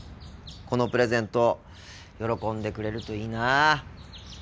このプレゼント喜んでくれるといいなあ。